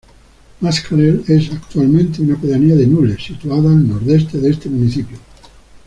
Mascarell es, actualmente, una pedanía de Nules, situada al nordeste de este municipio.